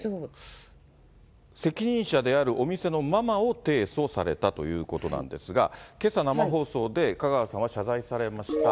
責任者であるお店のママを提訴されたということなんですが、けさ、生放送で香川さんは謝罪されました。